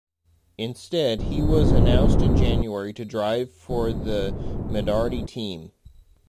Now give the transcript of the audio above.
Instead, he was announced in January to drive for the Minardi team.